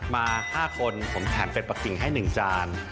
มา๕คนผมแถมเป็ดปะกิ่งให้๑จาน